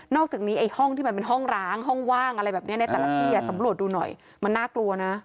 อกจากนี้ไอ้ห้องที่มันเป็นห้องร้างห้องว่างอะไรแบบนี้ในแต่ละที่สำรวจดูหน่อยมันน่ากลัวนะ